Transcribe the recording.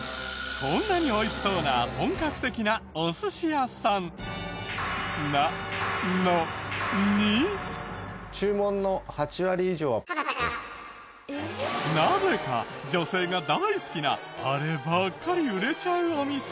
こんなに美味しそうな本格的ななぜか女性が大好きなあればっかり売れちゃうお店。